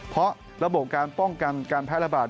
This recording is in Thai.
เพราะระบบการป้องกันการแพร่ระบาด